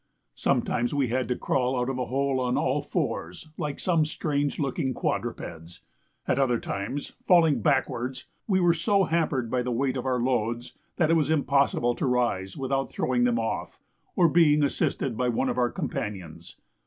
Sometimes we had to crawl out of a hole on all fours like some strange looking quadrupeds; at other times falling backwards we were so hampered by the weight of our loads, that it was impossible to rise without throwing them off, or being assisted by one of our companions.